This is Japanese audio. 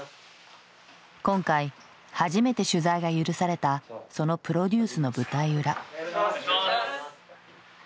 今回初めて取材が許されたそのプロデュースの舞台裏。